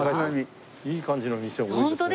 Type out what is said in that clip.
いい感じの店多いですね。